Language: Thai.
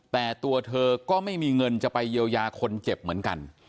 แต่ตัวเธอก็ไม่มีเงินจะไปเยียวยาคนเจ็บเหมือนกัน